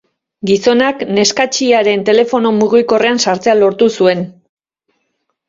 Gizonak neskatxiaren telefono mugikorrean sartzea lortu zuen.